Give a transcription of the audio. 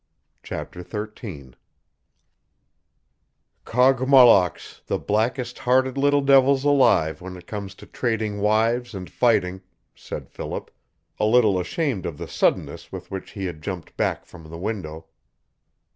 CHAPTER XIII "Kogmollocks the blackest hearted little devils alive when it comes to trading wives and fighting," said Philip, a little ashamed of the suddenness with which he had jumped back from the window.